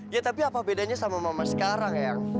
ya tapi apa bedanya sama mama sekarang ya